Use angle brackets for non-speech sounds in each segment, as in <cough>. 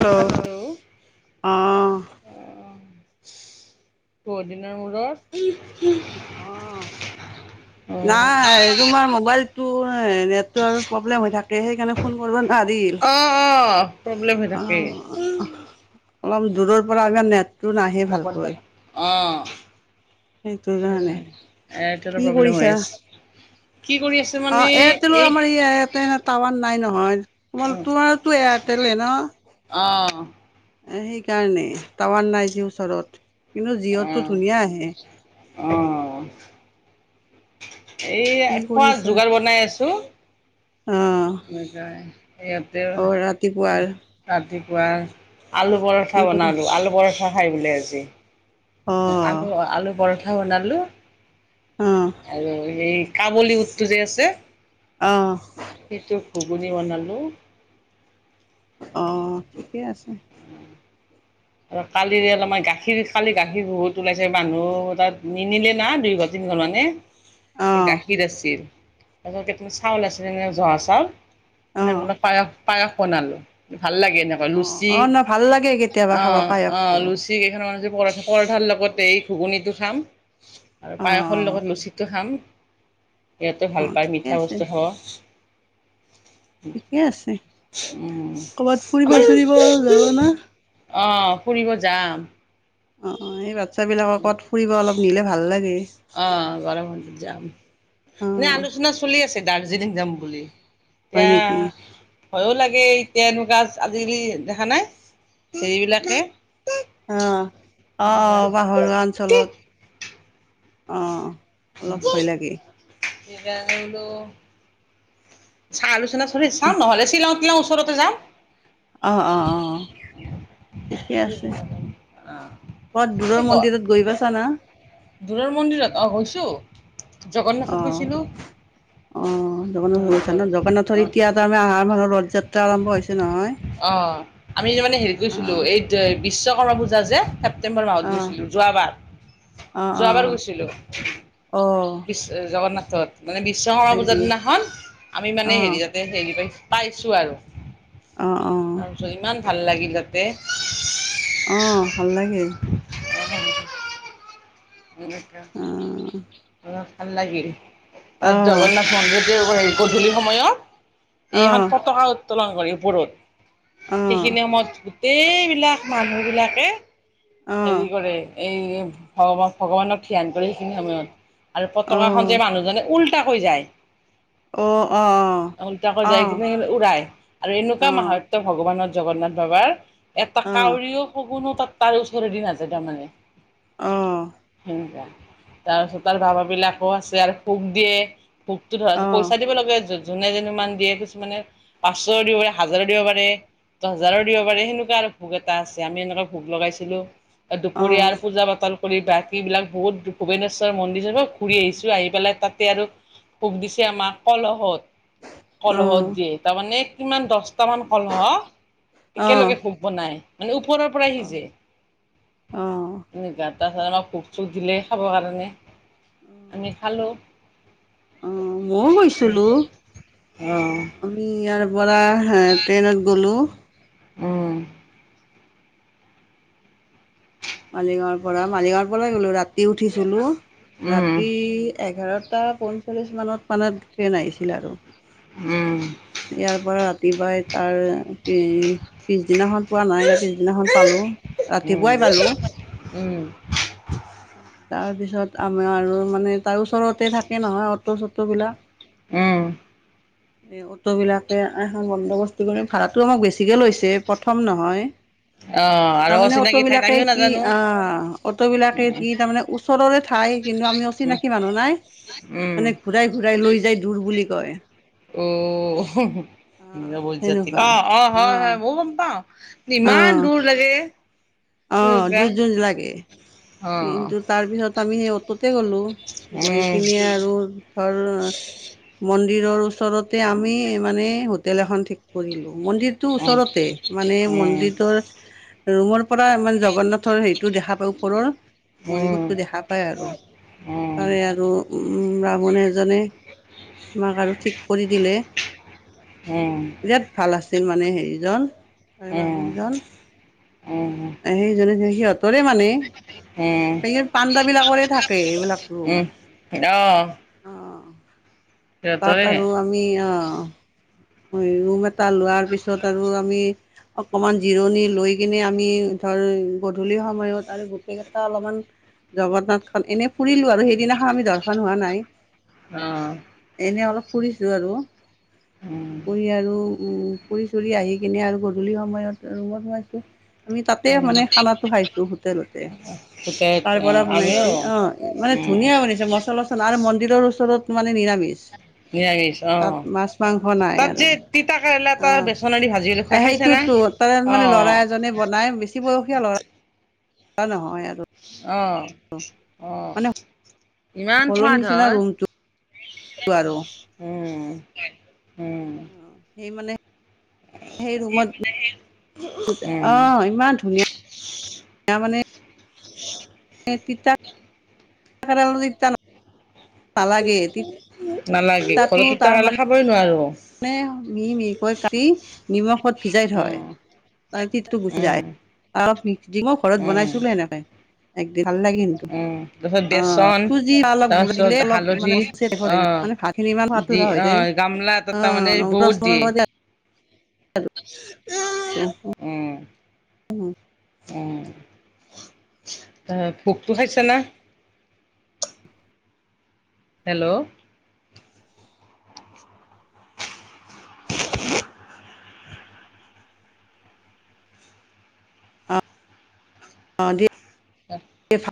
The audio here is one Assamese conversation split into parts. হেল্ল' হেল্ল'ও অ', অ বহুত দিনৰ মূৰত। অঁ। অ', নাই তোমাৰ মোবাইলতটো নেটৰ প্ৰব্লেম হৈ থাকে। সেইকাৰণে- ফোন কৰিব ধদিল। অ', অ প্ৰব্লেম হৈ থাকে। অঁ। অলপমান দূৰৰ পৰা আগে নেট- অঁ। সেইটো কাৰণে এইটোতো কি প্ৰব্লেম হৈ কৰিছা? আছে। কি কৰি আছে? অ মানে এয়াৰটেলৰ এই আমাৰ ই টাৱাৰ নাই নহয়। তোমাৰ তোমাৰতো এয়াৰটেলে ন? অঁহ। এ সেইকাৰণে টাৱাৰ নাই যি ওচৰত, কিন্তু জিঅ'টো ধুনীয়া আহে। অঁ। এই কি খোৱাৰ যোগাৰ বনাই আছোঁ। অঁ। এনেকাই সিহঁতে ৰাতিপুৱাৰ ৰাতিপুৱা আলু বয়েল- কৰি কি পিঠা বনালো, আলু পৰঠা খাই বোলে আজি। অ', পিঠা বনালো অ', আৰু সেই কাবলী বুটটো যে আছে- অঁ। সেইটো ঘুগুনি বনালো। অ ঠিকে আছে। আৰু কালিৰে অলপমান গাখীৰ কালি গাখীৰ বহুত ওলাইছে, মানুহ তাত নিনিলে না দুই ঘৰত- দিলো মানে। এই অঁ গাখীৰ আছিল তাৰপিছত কেইটামান চাউল আছিল ন জহা অঁ চাউল- পায়স, পায়স বনালো ভাল লাগে ন। অঁ লুচি, অঁ ন ভাল লাগে কেতিয়াবা অ খাব অ পায়সটো লুচি- কেইখনৰ লগতে পৰঠাৰ লগতে এই ঘুগুননিটো খাম। আৰু পায়সৰ অঁ লগত লুচিটো খাম। সিহঁতে ভাল অঁ পায় ঠিকে মিঠা আছে বস্তু খাব। ঠিকে আছে উম। ক'ৰবাত ফুৰিব চুৰিব যাব না আমাৰ- অঁহ ', ফুৰিব যাম। অঁহ', - অঁহ', - এই বাচ্ছাবিলাক কত ফুৰিব অলপ নিলে ভাল লাগে। অঁহ', গৰম বন্ধত যাম। নে অঁ আলোচনা চলি আছে দাৰ্জিলিং যাম বুলি? হয় নেকি এয়া- ভয়ো লাগে, এতিয়া এনেকুৱা আজিকালি দেখা নাই হেৰি বিলাকে অ', - অ', - অ', - পাহৰুৱা অঞ্চলত। অঁ অলপ ভয় লাগে এইৰাঙটো। চাওঁ আলোচনা চল চাম নহ'লে শ্বিলং তিলাং ওচৰতে যাম। অঁহ', - অঁহ, - অঁহ', - অঁহ', -। ঠিকে আছে। অ ক'ত দূৰৰ মন্দিৰত গৈ পাছা না? দুৰৰ মন্দিৰত অঁ গৈছোঁ। অহ', - অহ', - অ জগন্নাথৰ জগ ন, জগন্নাথৰ এতিয়া- তাৰে আহাৰ মানৰ ৰজাত অহ', আমি মানে হেৰিত গৈছিলো অ', এই- বিশ্বকৰ্মা পূজা যে ছেপ্টেম্বৰ মাহত অ', গৈছিলো যোৱাবাৰ। যোৱাবাৰ অ', গৈছিলো। অ', জগন্নাথত, মানে বিশ্বকৰ্মা হয় পূজাৰ নেকি? দিনাখন আমি মানে হেৰি অ', যাওঁতে <unintelligible> পাইছো আৰু অ', অ', তাৰপিছত ইমান ভাল লাগিল তাতে। অঁ ভাল লাগিল। <unintelligible> অঁ। ভাল লাগিল, তাত জগন্নাথ মন্দিৰটো হেৰি গধূলি সময়ত- অ', এইখন অ', পতকা - উত্তলং কৰে ওপৰত, অ', অ', সেইখিনি সময়ত গোটেইবিলাক মানুহবিলাকে- অ', অ', অ', অ', অ', অ', অ', অ', অ', হেৰি কৰে এই ভ-ভগৱানক ধ্যান কৰে সেইখিনি সময়ত। আৰু পতকাখন যে মানুহজনে উওল্টাকৈ যায়। উল্টাকৈ যাই অ', কিনে উৰাই আৰু এনেকুৱা অ', মাহত- ভগৱানৰ জগন্নাথ বাবাৰ এটা অ', অ', কাউৰীও, শগুনো তাত তাৰ দি নাযায় তাৰমানে সেনেকোৱা। তাৰপিছত আৰু বাবাবিলাকো আছে আৰু খোজ দিয়ে। <unintelligible> ধৰা পইচা দিব লাগে যোনে যিমান দিয়ে কিছুমানে- পাঁচশ দিব পাৰে, হাজাৰো দিব পাৰে। দহ হাজাৰৰ দিব পাৰি সেনেকুৱা আৰু ভোক এটা আছে আমি এনেকুৱা ভোক লগাইছিলো। দুপৰীয়াৰ পূজা-পাতল- কৰি বিলাক বহুত ভূবনেশ্বৰ মন্দিৰ <unintelligible> ঘূৰি আহিছো, আহি পেলাই তাতে আৰু- পোক দিছে আমাক কলহত। কলহত দিয়ে তাৰ মানে কিমান দহটা মান কলহ একেলগে ভোগ বনায়, মানে ওপৰৰ পৰাই সিজে। অঁ। এনেকুৱা, তাৰ পাছত কুপ-চুপ দিলে খাবৰ কাৰণে আমি খালোঁ। অ' মইও গৈছিলোঁ। উম আমি ইয়াৰ পৰা ট্ৰেইনত গ'লোঁ। উমঁ। মালিগাঁৱৰ পৰা, মালিগাঁৱৰ পৰাই গ'লোঁ ৰাতি উঠিছিলোঁ, উম ৰাতি এঘাৰটা পঞ্চল্লিছ মানত মানে ট্ৰেইন আহিছিলে আৰু। উম। ইয়াৰ পৰা ৰাতিপুৱাই তাৰ পিছদিনাখন- পোৱা নাই, তৰ পিছদিনাখন পালো, উম ৰাতিপুৱাই পালো। উম তাৰ পিছত আমিও আৰু মানে তাৰ ওচৰতে থাকে নহয় অটো-চটো বিলাক। উম। এই অ অটো বিলাকে এখন বন্দবস্ত কৰি ভাড়াটো আমাক বেছিকে লৈছে প্ৰথম নহয়। অঁ। তাৰমানে অটো বিলাকে কি আ' অটো বিলাকে কি তাৰ মানে ওচৰৰে ঠাই কিন্তু আমি অচিনাকি কি মানুহ নাই। উম। মানে ঘূৰাই ঘূৰাই লৈ যাই দূুৰ বুলি কয়। অঁ, অ', অহ, সেনেকুৱা অ' হয় হয়, মইও গম পাওঁ। ইমান দূৰ লাগে। অঁ, তেনেকুৱা দূৰ-দূৰ লাগে, অ কিন্তু তাৰপিছত আমি সেই অটোতে গ'লো। গৈ কিনে আৰু ধৰ মন্দিৰৰ ওচৰতে আমি মানে হোটেল এখন ঠিক কৰিলোঁ, মন্দিৰ টো উম উম ওচৰতে মানে উম মন্দিৰৰ ৰুমৰ পৰা ইমান জগন্নাথৰ হেটোও দেখা পায় ওপৰৰ অঁ মণিকোটটো দেখা পায় আৰু তাৰে আৰু উ ব্ৰাক্ষ্মণ এজনে তোমাক আৰু ঠিক কৰি দিলে যে ভাল আছিল মানে হেৰিজন বামুণজন উম সেইজননে সিহঁতৰে মানে সে পান্দাবিলাকৰে থাকে এইবিলাক ৰুম অ তাত আৰু আমি আহ ৰুম এটা লোৱাৰ পিছত আৰু আমি অকমান জিৰণি লৈ কিনে আমি ধৰ গধূলি সময়ত আৰু গোটেই কেইটা অলপমান জগন্নাথখন এনেই ফুৰিলো আৰু সেইদিনাখন আমি দৰ্শণ হোৱা নাই অ এনেই অলপ ফুৰিছোঁ আৰু ফুৰি আৰু উম ফুৰী চুৰি আহি কিনে আৰু গধূলি সময়ত ৰুমত হুমাইছো আমি তাতে মানে খানাতো খাইছো হোটেলতে তাৰ পৰা আমিও বনাইছে অ মানে ধুনীয়া বনাইছে মচলা চচলা আৰু মন্দিৰৰ ওচৰত মানে নিৰামিষ নিৰামিছ তাত মাছ মাংস অ নাই তাত আৰু যে তিতা কেৰেলা তাৰ অ'। বেচনেদি ভাজিলে খাই খাইছা নে সেইটোতো তাৰ অ মানে ল'ৰা বনাই বেছি বয়সীয়া ল'ৰা নহয় আৰু আহ আহ মানে ইমান হলৰ সোৱাদ নিচিনা হয় ৰুমটো আৰু উম উম অ সেই মানে সেইৰুমত উম। অ ইমান ধুনীয়া এ মানে নে তিতা <unintelligible> নালাগেই নালাগে ঘৰত তিতা কেৰালা খাবই নোৱাৰো মানে মিহি মিহিকৈ কাটি নিমখত ভিজাই থয় উম, তিতটো গুচি উম, যায় আৰু প টিঙো ঘৰত উম। বনাইছিলো সেনেকে একদিন ভাল লাগিল উম, তাৰপিছত অ বেচন চুজি অলপ গুৰি দিলে তাৰপিছত অলপ মানে হালধি অ' মানে ভাত খিনি ইমান খদ টো দি নহ হৈছে অ' গামলা এটাত তাৰমানে বহুত দিয়ে <unintelligible> আ অ অ তাৰছত ফোকতো খাইছ না হেল্ল'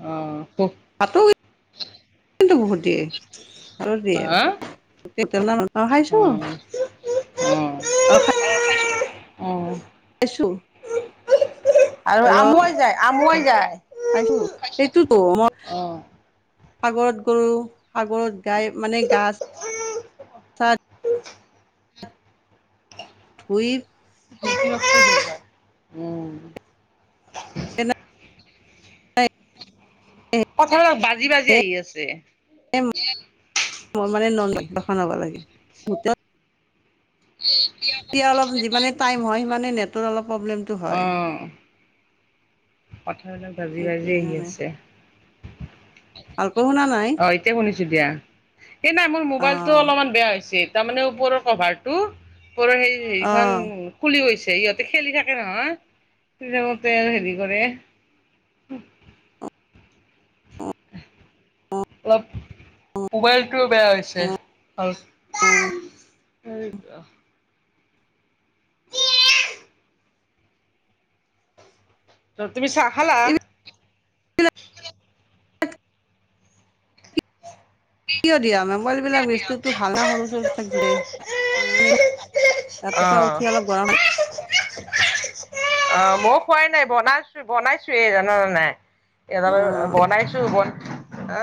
অ ক পাতো কিন্তু বহুত দিয়ে হা দিয়ে অ' বুত খাইছো অ'। অ অ'। এছোঁ আৰু হেল্ল' আমুৱাই যায়, আমুৱাই অ', যায়। খাইছো এইটোতো মই অ'। সাগৰত গৰু' সাগৰত গাই মানে গাছ এহ শুইপ। <unintelligible> উম, কথাৰত বাজি বাজি আহি আছে। এট মই মানে নন দখা ল'ব লাগে। তেতিয়া অলপ যিমানে টাইম হয় সিমানে নেটৰ অলপ প্ৰব্লেম হয়্ অঁ। কথাৰ অলপ বাজি সেইটো বাজি আহি কাৰণে আছে। আল্প শুনা নাই। বাইতে বনেইছো দিয়া। সেই নাই মোৰ অ মোবাইলটো অলপমান বেয়া হৈছে তাৰমানে ওপৰৰ কভাৰ টো ওপৰৰ হেৰি অ হেৰিখন খোলি গৈছে। ইহঁতে খেলি থাকে নহয় কিন মতে হেৰি কৰে অলপ মোবাইলটোও বেয়া হৈছে ভাল। অঁ। হেই ৰখ। ত তুমি চাহ খালা? এইবিলাক কিয় দিয়া মোবাইল বিলাক দিয়া দিয়া। বস্তুতো ভাল ন সৰু চৰু থাকে। ৰাতিপুৱা অ'। উঠি অলপ গৰম। অ মই খোৱাই নাই বনাইছো বনাইছোয়ে জান জানাই। এৰা অ বাৰু বনাইছো বনা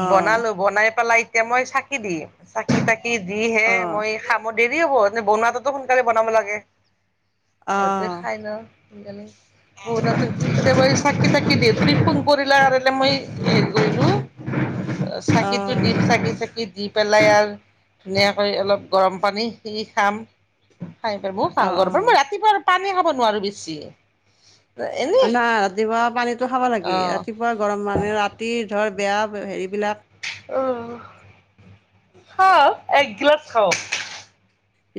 অ বনালো বনাই পেলাই এতিয়া মই চাকি দিম চাকি তাকি কি দি হে অ মই খামত দেৰি হ'ব এ বনোৱাটোতো সোনকালে বনাব লাগে। অ সিহঁতে খাই ন' সোনকালে, মই অ নো চাকি চাকি দিম। তুমি ফোন কৰিলা কাৰণে মই ই গেলো। চাকিটো দিম চাকি চাকি দিম। পেলাই আৰ ধুনীয়াকৈ অলপ গৰম পানী পি খাম। খাই প মই খা অ অ ঘৰৰ পৰা মই ৰাতিপুৱা পানী খাব নোৱাৰো বেছি। এনেই নাই ৰাতিপুৱা পানীটো খাব অ লাগে ৰাতিপুৱা গৰম মানে ৰাতি ধৰ বেয়া হেৰিবিলাক,,, অঁ খাওঁ এক গিলাচ খাওঁ।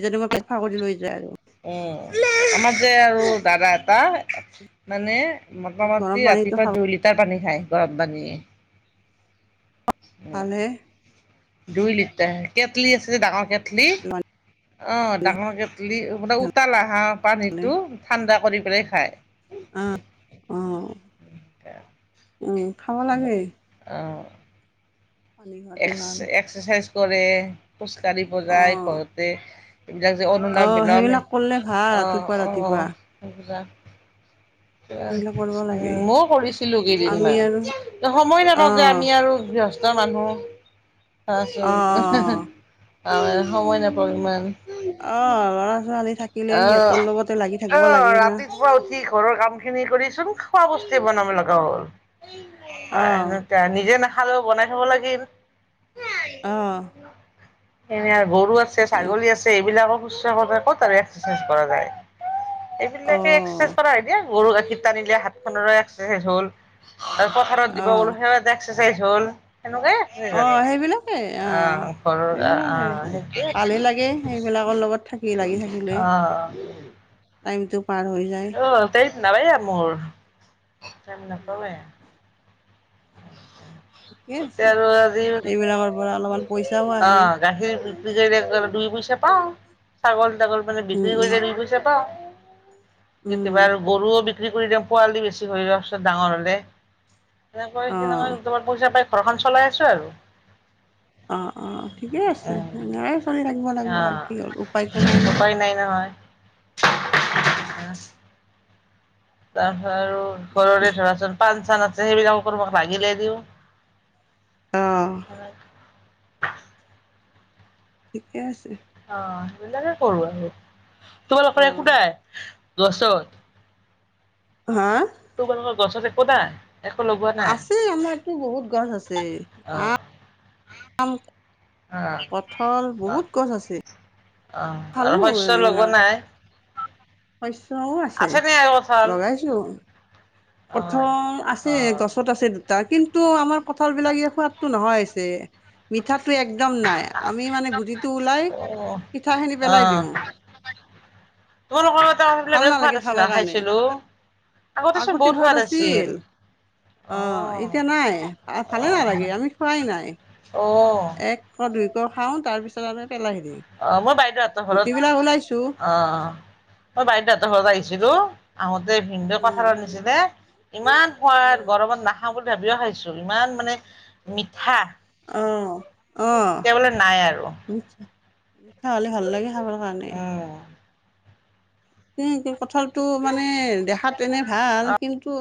ইিজদি মই প্ৰেফাৰ কৰি লৈ যায় আৰু। উমঁ। আমাৰ যে আৰু দাদা এটা। মানে গৰম মোটামুটি পানীটো ৰাতিপুৱা খাব দুই লিটাৰ পানী খায় গৰম পানীয়ে। উম ভালহে। দুই লিটাৰ কেটলি আছে যে ডাঙৰ কেটলি। কেলি অ ডাঙৰ কেটলিে উতাল আহা পানীটো। ঠাণ্ডা কৰি পেলাই খায়। অঁ, ওম তেৰিকা উমঁ খাব লাগেই। অঁহ। খোৱাটো এক্ ভাল এক্সাৰচাইজ কৰে খোজ কাঢ়িব যায় অ', ঘৰতে। যাক যে অনোলাগ অ', গিলামে সেইবিলাক কৰিলে অঁ ভাল বিলমে ৰাতিপুৱা অ অ ৰাতিপুৱা অ সজা সেইবিলাক কৰিব লাগে উমঁ ময়ো কৰিছিলো আমি কেইদিনমান। আৰু সময় নাপাওঁযে অ', আমি আৰু গৃহ মানুহ বা চোন অ', সময় নাপাওঁ ইমান। অ ল'ৰা ছোৱালী থাকিলে সিহঁতৰ লগতে লাগি থাকব লাগে না। পুৱা উঠি ঘৰৰ কাম খিনি কৰি চোন খোৱা বস্তুৱে বনাব লগা হ'ল। <inaudible> অ', এ নিজে নাখালেও বনাই থব লাগিল। অ', <unintelligible> এনে গৰু আছে ছাগলী আছে এইবিলাকক শুচ্ছা কত আৰু ৰেষ্ট চেষ্ট কৰা যায়। এইবিলাকে অ', এক্সাৰচাইজ কৰা হয় দিয়া, গৰু গাখীৰ টানিলে হাতখনৰে এক্সাৰচাইজ হ'ল। পথাৰত দিব অ', গ'লো সেইয়াও এটা এক্সাৰচাইজ হল সেনেকুৱাই। এক্সাৰচাইজ অ' আৰু। সেইবিলাকেই অ', ঘৰৰ সেইবিলাকেই, অ' সেইটোৱে। ভালেই লাগে সেইবিলাকৰ লগত। থাকি লাগি থাকিলে অ' টাইমটো পাৰ হৈ যায়। <unintelligible> নাপাইয়া মোৰ ম নাপামে। ঠিকে আছে, এতিয়া আৰু আজি এইবিলাকৰ পৰা অলপমান পইচাও আহে। অ' গাখীৰ বিক্ৰী কৰি দুই পইচা পাওঁ ছাগল তাগল মানে উম, বিক্ৰী উম, কৰিলে দুই পইচা পাওঁ, উম, কেতিয়াবা আৰু গৰুও বি ক্ৰি কৰি দিয়া পোৱালী বেছি হৈ যোৱাৰ পিছত, ডাঙৰ হ'লে। তেনেকৈ সেনেকৈ অ', দুটামান পইচা পাই ঘৰখন চলাই আছো আৰু। অঁ অঁ ঠিকেই আছে, এনেকে চলি থাকিব লাগব আৰু অঁ কি হ'ল উপায়টো নাই না। উপায় নাই নহয়। <inaudible> <inaudible> তাৰপিছত আৰু ঠিকে আছে ঘৰৰে ধৰাচোন পাণ চান আছে সেইবিলাকো <unintelligible> লাগিলে দিওঁ। অঁ। ঠিকে আছে। অ সেইবিলাকে কৰো আৰু, অ তোমালোকৰ একো নাই গছত? হা? তোমালোকৰ গছত একো নাই? একো লগোৱা নাই আছে আমাৰতো বহুত গছ আছে অঁ আহ আম অঁ কঠল অঁ বহুত গছ আছে। অঁ খালো আৰু শস্য লগোৱা এইবিলাক নাই? শস্যও আছে আছেনে আৰু কঁঠাল লগাই অঁ কঁঠল আছে অঁ গছত আছে দু কিন্তু আমাৰ কঁঠাল বিলাক ইয়া সোৱাদটো নোহোৱা হৈছে। মিঠাটো একদম নাই, আমি মানে গুটিটো ওলাই অ', পিঠা খিনি পেলাই অ', দিওঁ। তোমালোকৰ এটা সেইফালে ভাল বিৰাট নালাগে সোৱাদ আছিল খাবৰ না কাৰণে খাইছিলো। আগতেচোন বহুত সোৱাদ আছিল। অ এতিয়া নাই ভালে নালাগে আমি খোৱাই নাই। অহ। এক কৰ দুই ক খাওঁ তাৰপিছত আৰু পেলাই দিওঁ। অ মই বাইদেউ হঁতৰ গুটিবিলাক ওলাইছো ঘৰত অ মই বাইদেউ হঁতৰ ঘৰত আহিছিলো। আহোঁতে ভিনদেউ অ কঁঠাল আনিছিলে ইমান অ সোৱাদ গৰমত নাখ নাখাওঁ বুলি ভাবিও খাইছো ইমান মানে মিঠা! অঁ অঁ এতিয়া বোলে নাই আৰু <inaudible> মিঠা হলে ভাল লাগে খাবৰ কাৰণে। উম, উম তোৰ কঁঠালটো মানে দেখাত তেনে ভাল কিন্তু